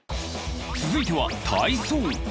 続いては、体操。